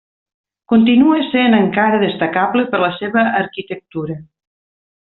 Continua sent encara destacable per la seva arquitectura.